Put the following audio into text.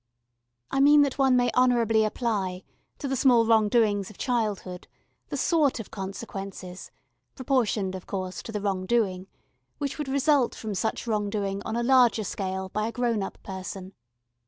I mean that one may honourably apply, to the small wrong doings of childhood, the sort of consequences proportioned, of course, to the wrong doing which would result from such wrong doing on a larger scale by a grown up person.